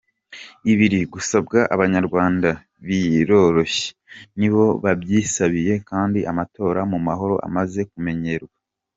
Ibiri gusabwa abanyarwada biroroshye, nibo babyisabiye kandi amatora mu mahoro amaze kumenyerwa.